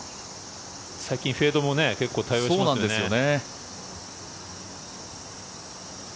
最近フェードも結構多用してますよね。